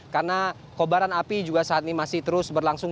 karena kobaran api juga saat ini masih terus berlangsung